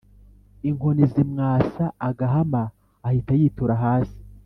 Inkoni zimwasa agahama ahita yitura hasi